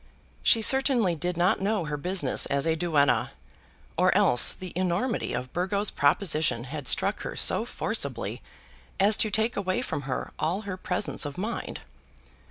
She certainly did not know her business as a duenna, or else the enormity of Burgo's proposition had struck her so forcibly as to take away from her all her presence of mind.